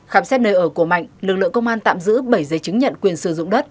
khám xét nơi ở của mạnh lực lượng công an tạm giữ bảy giấy chứng nhận quyền sử dụng đất